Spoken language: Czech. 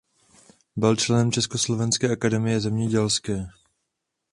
Byl členem Československé akademie zemědělské.